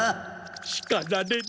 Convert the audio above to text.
しかられる！